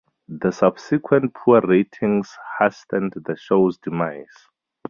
The subsequent poor ratings hastened the show's demise.